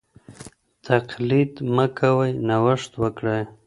تقليد مه کوئ نوښت وکړئ.